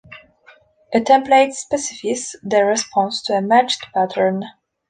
A template specifies the response to a matched pattern.